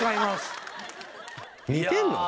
似てるの？